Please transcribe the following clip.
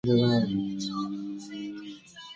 خو د ګلو غونچه د بورا پر وړاندې منفعل